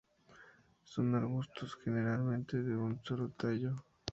Son arbustos, generalmente de un solo tallo.